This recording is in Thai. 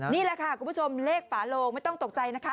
นี่แหละค่ะคุณผู้ชมเลขฝาโลงไม่ต้องตกใจนะคะ